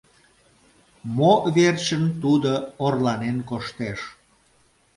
Мо верчын тудо орланен коштеш?